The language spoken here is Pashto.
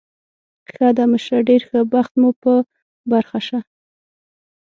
ښه ده، مشره، ډېر ښه بخت مو په برخه شه.